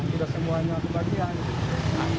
tidak semuanya kebagian